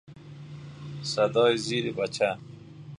صدای زیر بچه